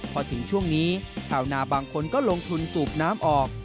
พอถึงช่วงนี้ชาวนาบางคนก็ลงทุนสูบน้ำออก